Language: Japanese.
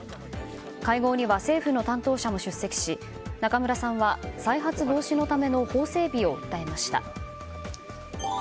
会合には政府の担当者も出席し中村さんは再発防止のための法整備を訴えました。